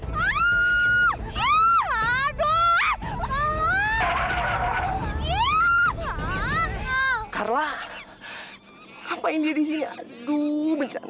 mereka berdua teman kamu